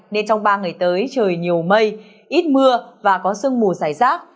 nên trong ba ngày tới trời nhiều mây ít mưa và có sương mù dài rác